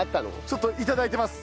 ちょっといただいてます。